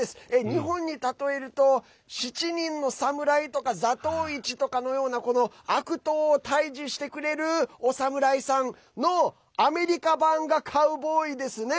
日本に例えると「七人の侍」とか「座頭市」とかのような悪党を退治してくれるお侍さんのアメリカ版がカウボーイですね。